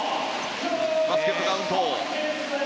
バスケットカウント。